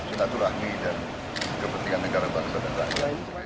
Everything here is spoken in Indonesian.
ini dan kepentingan negara baru sedang terakhir